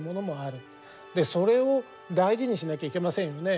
それを大事にしなきゃいけませんよね。